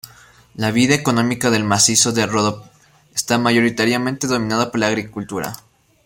La vida económica del macizo de Ródope está mayoritariamente dominada por la agricultura.